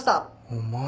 お前。